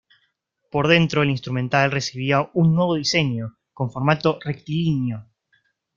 Por dentro el instrumental recibía un nuevo diseño, con formato rectilíneo.